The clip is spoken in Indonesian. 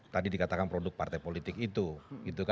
tadi dikatakan produk partai politik itu